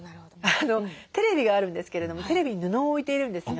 テレビがあるんですけれどもテレビに布を置いているんですね。